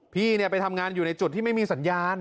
พี่ไปทำงานอยู่ในจุดที่ไม่มีสัญญาณ